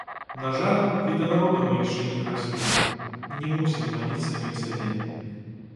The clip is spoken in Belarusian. На жаль, і да народа мы яшчэ не дараслі, не мусім маніць самім сабе.